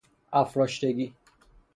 افراشتگی